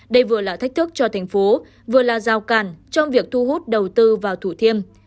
đây vừa là thách thức cho thành phố vừa là giao cản trong việc thu hút đầu tư vào thủ thiêm